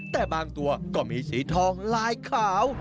แต่บางตัวก็มีสีทองลายขาว